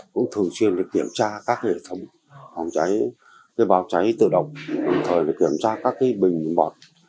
cũng thường xuyên kiểm tra các hệ thống phòng cháy báo cháy tự động đồng thời kiểm tra các bình bọt